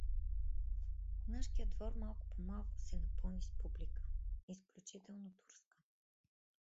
Конашкият двор малко по малко се напълни с публика, изключително турска.